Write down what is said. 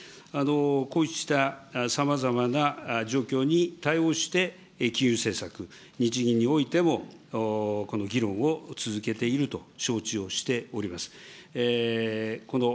こうしたさまざまな状況に対応して、金融政策、日銀においてもこの議論を続けていると承知をしております。